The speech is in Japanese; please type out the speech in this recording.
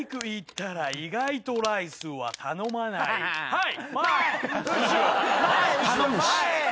はい。